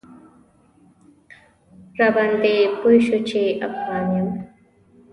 راباندې پوی شو چې افغان یم.